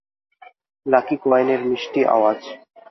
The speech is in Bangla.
লাকি কয়েনের মিষ্টি আওয়াজ।